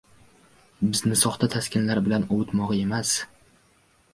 bizni soxta taskinlar bilan ovutmog‘i emas